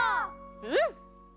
うん！